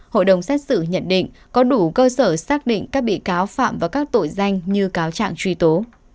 hội đồng xét xử nhận định có đủ cơ sở xác định các bị cáo phạm và các tội danh như cáo trạng truy tố